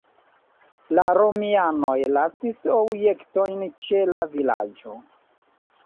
La romianoj lasis objektojn ĉe la vilaĝo.